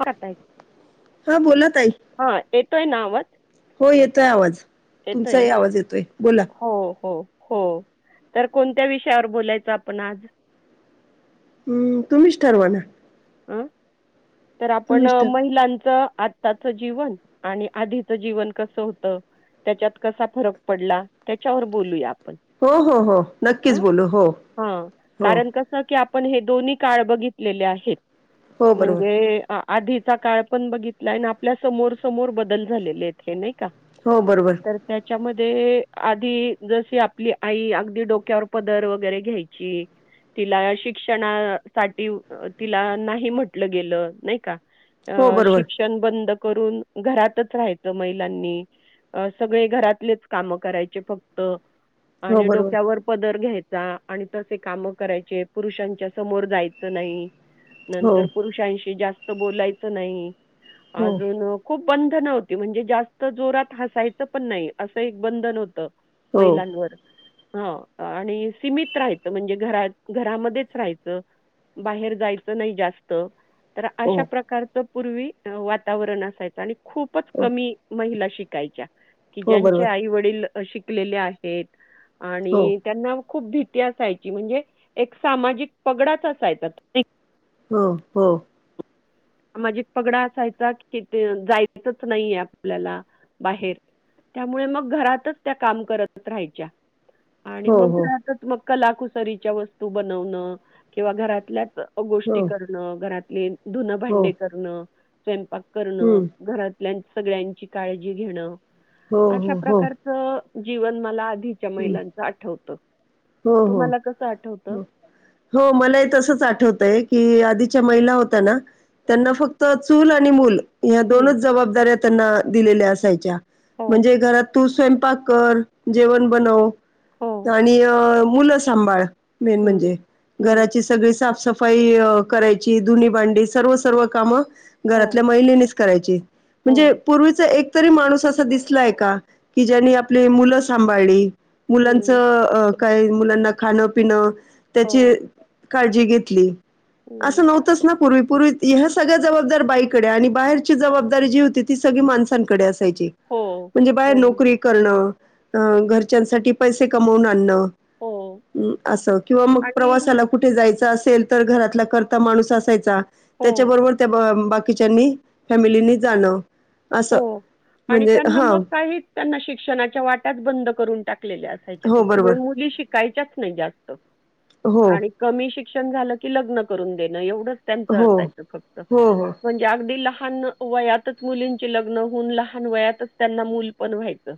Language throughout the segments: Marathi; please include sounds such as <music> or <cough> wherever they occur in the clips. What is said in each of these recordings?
हा ताई हा बोला ताई हा येतोय ना आ वाज. हो येतोय आवाज तुमचाही ना? आवाज येतोय बोला. हो, हो, हो तर कोणत्या विषयावर बोलायचं आपण आज? हम्म तुम्हीच ठरवाना. आं तर आपण ठरवा महिलांच आत्ताचं जीवन आणि आधीचं जीवन कसं होतं त्याच्यात कसा फरक पडला त्याच्यावर बोलूया आ हो हो हो नक्कीच बोलू हो हो. पण हे दोन्ही काळ बघितलेले आहेत. हो बरोबर. वे आ आधीचा काळ पण बघितलाय न आपल्या समोर समोर बदल झालेले आहेत हे नाही. का हो बरोबर तर त्याच्य च्या मध्ये आधी जशी आपली आई अगदी डोक्यावर पदर वगैरे घ्यायची तिला शिक्षणा साठी तिला नाही म्हट ल गेलं नाही का. हो अ बरोबर शिक्षण बंद करून घरातच राहायचं महिलांनी सगळे घरातलेच काम करायचे फक्त हो आणि बरोबर डोक्यावर पदर घ्याय चा आणि तसे काम करायचे पुरुषांच्या समोर जायचं नाही. हो नंतर जास्त बोलायच नाही. हो अजून खूप बंधन होती म्हणजे जास्त जोरात हसायचं पण नाही असं एक बंधन होत हो महिलांवर. ह आणि सीमित राहायचं म्हणजे घरात घरामध्येच राहायचं बाहेर जायचं नाही जास् त तर हो अशा प्रकारच पूर्वी वातावरण असायचं आणि खूपच हो कमी महिला शिकायच्या की हो बरोबर ज्यांच्या आई वडील शिक कलेले आहेत. हो आणि त्यांना खूप भीती असायची म्हणजे एक सामाजिक पगडाच असायचा. हो हो. सामाजिक पगडा असायचा किथ जायचच नाहीये आपल्याला बाहेर त्यामुळे मग घरातच त्या काम करत राहायच्या. आणि मग हो आता मग कलाकुसरीच्या वस्तू बनवण किंवा घरातल्या हो गोष्टी करणं घरात- <inaudible> हो हो भांडे करणं. स्वयंपाक. करणं हम्म, घरातल्या सगळ्यांची काळजी घेणं. हो अशा हो हो प्रकारचं. जीवन मला च्या हम्म, महिलांच आठवत. हो हो हो मला तसच आठवतय की आधीच्या महिला होत ना त्यांना फक्त चूल आणि मल. ह्या हं. दोनच जबाबदऱ्या त्यांना दिलेल्या असायच्या. हो, म्हणजे घरात तू स्वयंपाक कर जेवण बनव. हो. आणि अ मुलं सांभाळ. मेन हं. म्हणजे हं. घराची सगळी साफसफ सफाई करायची धुनी भांडी सर्व -सर्व कामं हो, घरातल्या महिलेनीच करायची हो. म्हणजे पूर्वीच एक एक तरी माणूस असा दिसलाय का? की ज्यांनी आपली मुलं सांभाळली. हं. मुलांचं काही मुलांना खाणं पिणं त्याची हो. काळजी घेतली. अस हं. नव्हतच ना पूर्वी पूर्वी -ह्या सगळ्या जबाबदार बाईकडे. आणि बाहेरची जबाबदारी जी होती. ती सगळी माणसांकडे अस असायची हो, म्हणजे बाहेर हो. नोकरी करण अ.. घरच्यांसाठी पैसे कमवून आनन. हो. हं.. असं किंवा मग आणि प्रवासाला कुठे जायच? अस असेल. तर घरातला कर्ता माणूस असायचा. हो, त्याच्या बरोबर त्या बा.. बा बाकीच्यांनी फॅमिलीनी जाण हो.. आणि त्यांना मग काही त्यांना शिक्षणाच्या वाट्याच बंद करून टाक टाकलेल्या असायच्या हो, त्याच्यामुळे बरोबर. मुली शिक कायच्याच नाही जास्त? हो, आणि कमी शिक शिक्षण झालं की लग्न करून देणे. येवढच त्यांच हो, असायचं फक्त. हो, हो. म्हणजे अगदी लहान वयातच मुलीं जे लग्न होऊन. लहान वयातच त्यांना मूल पण व्हायचं.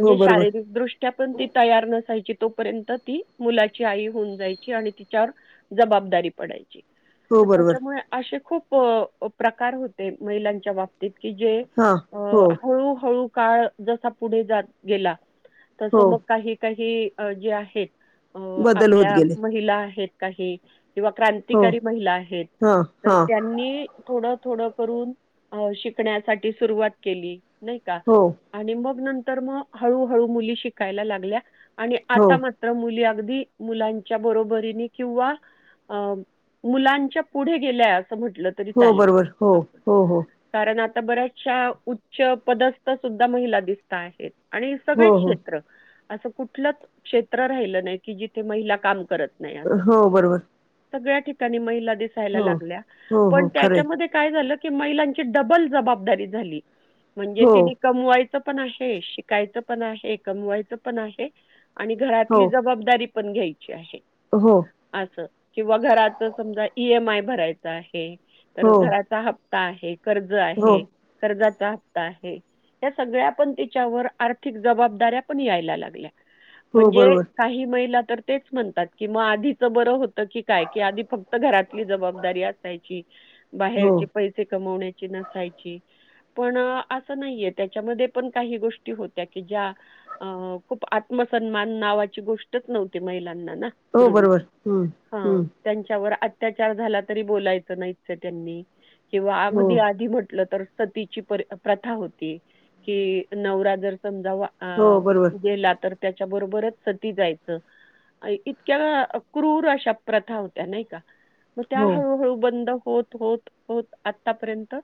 हो, बरोबर. शारीरदृष्ट्या पण ती तयार नसायची? तो पर्यंत ती मुलाची आई होऊन जायची. आणि तिच्यावर जबाबदारी पडायची. हो, तर बरोबर. त्याच्यामुळे असे खूप प - अ प्रकार होते. महिलांच्या बाबतीत की जे हां. अ.. हो, हळू हळू काळ जसा पुढे जात गेला. तस हो. मग काही काही अ जे आहेत अ.. बदल होत आपल्या गेले. महिला आहेत. काही किंवा हो. क्रांतिकारी महिला आहेत. हां, तर हां. त्यांनी थोडं थोड करून शिक कण्यासाठी सुरुवात केली. नाही का? हो, आणि मग नंतर तर म हळू हळू मुली शिकायला लागल्या आणि हो. आता मात्र मुली अगदी मुलांच्या बरोबरीने किंवा मुलांच्या पुढे गेल्यात. हो बरोबर हो हो हो कारण आता बऱ्याचश्या उच्च पदस्थ सुद्धा महिला दिसत आहेत आणि हो, सगळेच हो. क्षेत्र असं कुठलंच क्षेत्र राहिलं नाही की जिथे महिला काम करत नाही असं. हो बरोबर सगळ्या ठिकाणी महिला दिसायला हो. लागल्या हो, पण हो. खरं आहे. त्याच्यामध्ये काय झालं ते महिलाच ते डबल जबाबदारी झाली म्हणजे हो, तिने कमवाय तसपण आहे शिकायचं पण आहे कमवायचं पण आहे आणि हो. घरातली जबाबदारी पण घेई ची हो, आहेअस किंवा घराच समजा ई एम आय भरायचा आहे तर हो. घराचा हप् काआहेत कर्ज हो. आहे कर्जात त्या आहे या सगळ्या पण त्याच्यावर आर्थिक जबाबदाऱ्या पण यायला लागल्या हो, म्हणजे बरोबर. काही महिला तर तेच म्हणतात की मग आधीच बरं होतं की काय की आधी फक्त घरातली जबाबदारी असायची हो. बाहेरचे पैसे कमवण्या ची नसायची पण असं नाहीये त्याच्यामध्ये पण काही गोष्टी होत्या की ज्या खूप आत्मसन्मान नावाची गोष्टच नव्हती महिला नना हो फिरून बरोबर हम्म हं हम्म त्यांच्यावर अत्याचार अत्याचार झाला तरी बोलायच नाही च त्यांनी किंवा हो अगदी आज म्हटल तर सतीची प्र प्रथा होती की नवरा जर समजा वाआ अ हो बरोबर गेला तर त्याच्याबरोबरच सती जायचं इतक्या क्रूर अशा प्रथा होत्या नाही का. म त्या आ हो हळूहळू बंद होत होत होत आतापर्यंत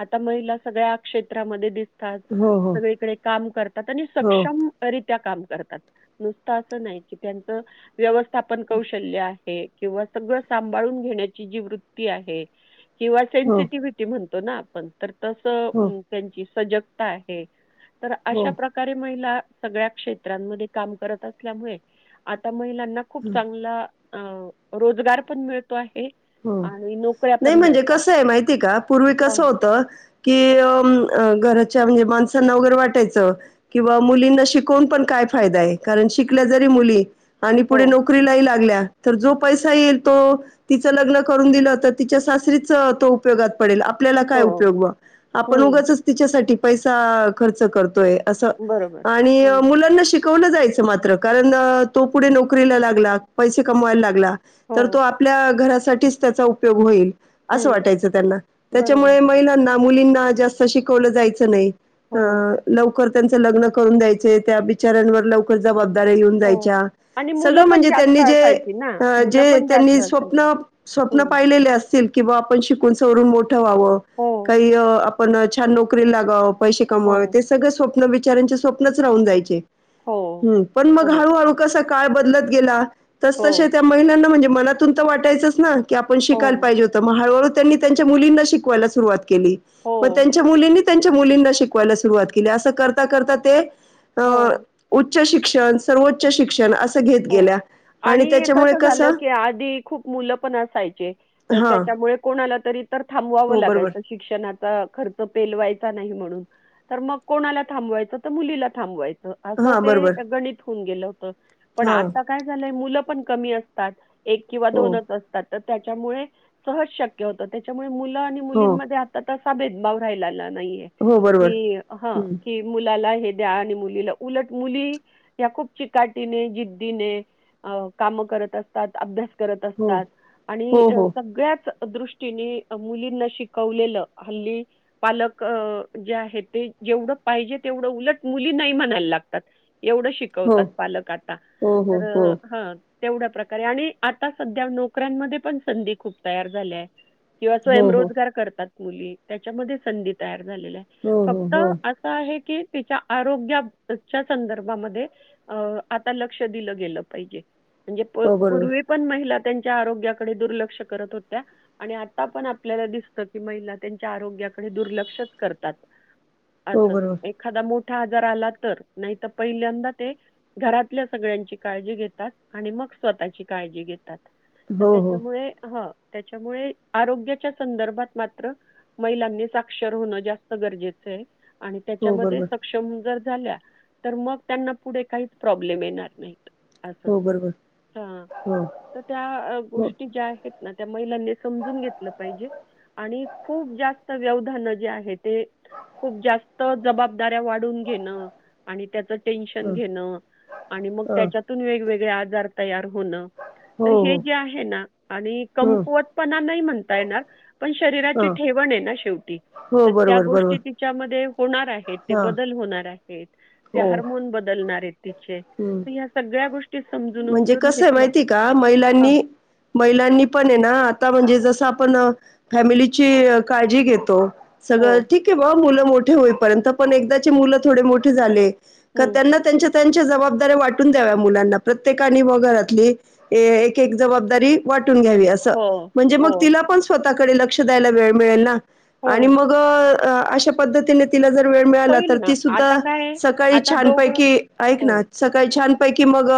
आता महिला सगळ्या क्षेत्रमध्ये दिस कात हो हो सगळीकडे काम करतात आणि हो सक्षम रित त्या काम करतात नुसत असं नाही क त्यांच व्यवस्थापन कौशल्य आहे हे किंवा सगळं सांभाळून घेण्याची जी वृत्ती आहे. हो हो किंवाेनसिटि्ह <unintelligible> पण आपण तर. तस त्यांची. सजगता आहे. तर अशा हो प्रकारे महिला. सगळ्या क्षेत्रांमध्ये काम करत असल्यामुळे आता. महिलांना खूप हो चांगला. अ रोजगार पण मिळतो आहे. हो आणि नोकऱ्या नाही पण म्हणजे मिळतात. कसं आहे माहिती आहे पूर्वी कस हां. होत की. अ घच्या म्हणजे माणसना वगैरे वाटायचं, किंवा मुलींना शिकवून पण काय फायदाय कारण शिकल्या जरी मुली. आणि हो, पुढे नोकरीलाही लागल्या. तर जो पैसा येईल तो ति लग् करून दिलं तिच्या सासरीच तो उपयोगात पडेल. आपल्याला काय हो. उपयोग व आपण हं. उगच तिच्यासाठी. पैसा खर्च करतोय. असं बरोबर. आणि हं. मुलांना शिक शिकवलं जायच, मात्र कारण तो पुढे नोकरीला लागला, पैसे कमवायला लागला. हो. तर तो आपल्या घरात. साठीच त्याचा उपयोग होईल. असं हं. वाटायचं त्यांना बरोबर. त्याच्यामुळे महिलांना. मुलींना जास्त शिकवल जायच नाही, हो, लवकर त्यांच लग् करून द्यायच, त्या बिचाऱ्यावर लवकर जबा येऊन हो. जायच्या आणि मुलं सगळ पण म्हणजे जास्त त्यांनी जे असायची ना, मुलं जे पण जास्त त्यांनी असायची. स्वप्न. स्वप्न हं. पाहिलेले अस. किंवा आपण शिकुण सवरून मोठ. ठे ववं हो, काही. पण छान नोकरी लागाव. पैसे हो, कमवावे ते सगळं सो स्व्न विचारांचे स्वप्नच राहून जायचे. हो, हम् पण मग हो, हळूहळू कसा. काय बदलत गेला. तस तसे हो, त्या महिलांना म्हणज. मनातून तर वाटयचं, - ह की आपण, शिकायला हो, पाहिजे होत. मग हळुहळू त्यांनी त्यांच्या मुलींना शिकवायला सुरुवात केली. पण हो. त्यांच्या मुलींनी, त्यांच्या मुलींना शिकवायला सुरुवात केली, असं करता करता ते अ हो. उच्च शिक्षण सर्वोच्च शिक्षण असं घेत हो, गेल्या आणि कस त्याच्यामुळे झालं कसं की आधी खूप मुलं पण अस आहे कि, हां. त्याच्यामुळे कोणाला तरी थांबवाव हो, बरोबर. लागायच शिक्षणाचा खर्च पेलवायचा म्हणून, तर मग कोणाला थांबवायच तर मुलीला थांबवायच. असं हां, बरोबर. ते गणित होवून गेलं होत. पण हां. आता काय झालंय मुलं- पण कमी आसतात. एक किंवा हो, दोनच असतात. त्याच्यामुळे सहज शक्य होत त्याच्यामुळे मुली मुल आणि हो. मुलींमध्ये आ भेदभव राहिला ना, हो, बरोबर. ह हं. क मुलाला- द्या मुलील मुली खूप चिकाटीने काम करत असतात अभ्यास करत हो. असतात आणि हो, हो. सगळ्याच, दृष्टीने मुलींना शिकवलेलं हल्ली पालक जे आहे ते जेवढं पाहिजे, तेवढं उलट मुली नाही म्हणायला लागतात. एवढं हो. शिकवतात पालक आता हो, हो, तर हो. हा. तेवढ्या प्रकारे आणि आता सध्या नोकऱ्यांमध्ये पण संधी खूप तयार झाल्या. किंवा हो, हो. स्वयंरोजगार करतात. मुली त्याच्यामध्ये संधी तयार झा हो, हो, फक्त हो. असं आहे की, तिच्या आरोग्याच्या संदर्भामध्ये अस. आता लक्ष दिलं गेलं पाहिजे. म्हणजे हो बरोबर पूर्वी पण महिला त्यांच्या आरोग्याकडे दुर्लक्ष करत होत्या आणि आता पण आपल्याला दिसत की महिला त्यांच्या आरोग्याकडे दुर्लक्षच करतात. हो असं बरोबर एखादा मोठ ठा आजार आला तर नाही तर पहिल्यांदा ते घरातल्या सगळ्यांची काळजी घेतात आणि मग स्वतःची काळजी घेत. तात तर हो हो त्याच्यामुळे ह. त्याच्यामुळे आरोग्याच्या संदर्भात मात्र महिलांनी साक्षर होणं जास्त गरजेचं आहे. आणि हो त्याच्यामध्ये बरोबर सक्षम जर झाल्या तर मग त्यांना पुढे काहीच प्रॉब्लेम येणार नाहीत. अस हो बरोबर हा हो तर त्या हो गोष्टी ज्या आहेत. ना त्या महिलांनी समजून घेतलं पाहिजे आणि खूप जास्त व्यवधान जे आहे ते खूप जास्त जबाबदाऱ्या वाढवून घेण आणि त्याच टेन्शन हं घेणं. आणि मग हं त्याच्यातून वेग वेगळे आजार तयार होण. हो तर हे हो जे आहे ना आणि हं कमकुवतपणा नाही म्हणता येणार. पण शरीराची हां ठेवण आहे ना शेव टी हो तर त्या बरोबर गोष्टी बरोबर तिच्यामध्ये होणार आहेत ते हां बदल होणार आहेत. ते हार्मोन बदलणार आहेत. तिचे. हम् तर ह्या सगळ्या गोष्टी म्हणजे समजून-उमजून कस आहे घेतल्या माहिती का हां. महिलांनी महिलांनी पण आहे ना आता म्हणजे जस आप ण फॅमिलीची काळजी घेतो हो. सगळं ठीक आहे बा मुलं मोठ ठी होईपर्यंत पण एकदाचे मुलं थोडे मोठे झाले का हं. त्यांना त्यांच्या त्यांन च्या जबाबदाऱ्या वाटून द्याव्या मुलाना प्रत्येकाने बा घरातली एक एक जबाबदारी वाट टून घ्यावी असं हो, म्हणजे मग हो, तिला पण स्वत ता कडे लक्ष द्यायला वेळ मिळेल ना. आणि हो. मग अ अशा पद्धतीने तिला ज वेळ मिळाला होईल तर ना. ती आता सुद्धा काय आहे, सकाळी आता दोघं छानपैकी ऐक हो, ना सकाळी छान पैकी मग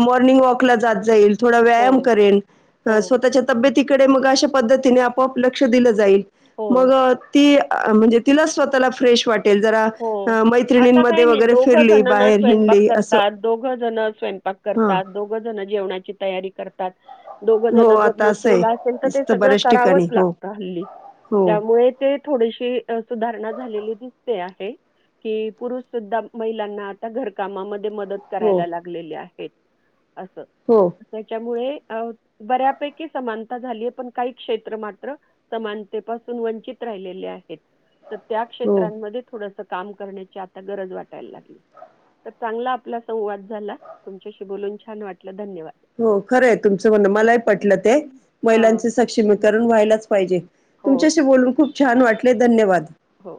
मॉर्निंग वॉकला जात जाईल. थोडा हो, व्यायाम करेल हो, अ स्वतःच्या तब्येत तिकडे मग अशा पद्धतीने आपोआप लक्ष दिलं जाईल हो, मग ती अ म्हणजे तिला स्वतःला फ्रेश वाट वाटेल जरा मैत्रिणींमध्ये वगैरे फिरली दोघेजण बाहेर स्वयंपाक हिंडली असं करतात दोघ जण स्वयंपाक हा करतात दोघं जण जेवणाची तयारी करतात दोघ हो जण जर आता असं आहे नोकरीला असेल तर ते दिसत सगळं बऱ्याच करावंच ठिकाणी हो लागतं हल्ली हो यामुळे ते थोडीशी सुधारणा झालेली दिसते. ते आहे की पुुरुष सुधा महिलांना आता घरकामा म ते मदत हो करायला लागलेले आहे एक अस हो त्याच्यामुळे अ बऱ्यापैकी समानता झालीय पण काही क्षेत्र मात्र समानतेपासून वंचित राहिलेले आहेत. तर त्या हो क्षेत्रांमध्ये थोडसं काम करण्याची गरज वाटाय लागली तर चांगला आपला संवाद झाला तुमच्याशी बोलून छान वाटलं धन्यवाद. हो खरंय तुमचं म्हणणं मलाही पटलं ते हां. महिलांचे सक्षमीकरण व्हायलाच पाहिजे हो, तुमच्याशी बोलून खूप छान वाटले धन्यवाद. हो